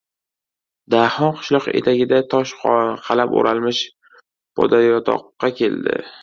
Daho qishloq etagida tosh qalab o‘ralmish podayotoqqa keldi.